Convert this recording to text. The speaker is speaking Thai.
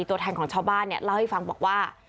ตัวแทนของชาวบ้านเนี่ยเล่าให้ฟังบอกว่า